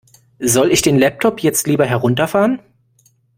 Soll ich den Laptop jetzt lieber herunterfahren?